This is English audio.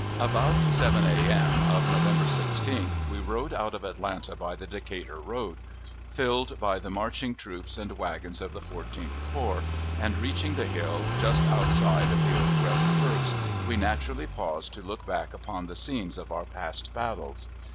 About 7 a.m. of November 16th we rode out of Atlanta by the Decatur road, filled by the marching troops and wagons of the Fourteenth Corps; and reaching the hill, just outside of the old rebel works, we naturally paused to look back upon the scenes of our past battles.